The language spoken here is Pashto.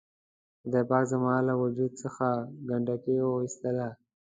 خدای پاک زما له وجود څخه ګندګي و اېستله.